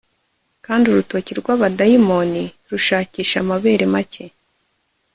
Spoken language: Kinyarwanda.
Kandi urutoki rwabadayimoni rushakisha amabere make